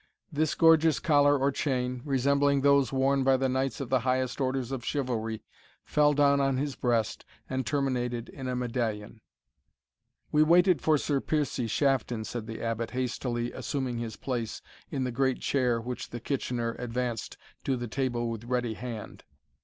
This gorgeous collar or chain, resembling those worn by the knights of the highest orders of chivalry, fell down on his breast, and terminated in a medallion. "We waited for Sir Piercie Shafton," said the Abbot, hastily assuming his place in the great chair which the Kitchener advanced to the table with ready hand.